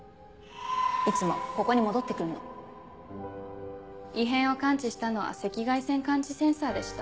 いつもここに戻って来んの異変を感知したのは赤外線感知センサーでした。